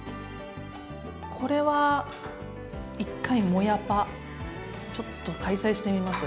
これは一回「もやパ」ちょっと開催してみます。